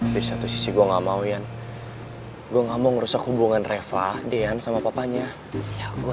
bisa tuh sih gua nggak mau yan gua nggak mau ngerusak hubungan reva deyan sama papanya gua